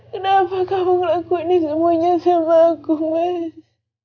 kenapa kamu lakukan semuanya sama aku mas